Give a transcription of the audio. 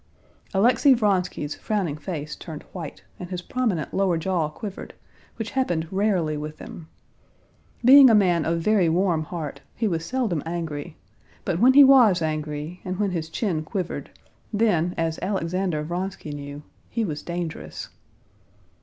Alexey Vronsky's frowning face turned white, and his prominent lower jaw quivered, which happened rarely with him. Being a man of very warm heart, he was seldom angry; but when he was angry, and when his chin quivered, then, as Alexander Vronsky knew, he was dangerous.